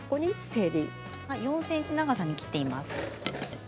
４ｃｍ長さに切っています。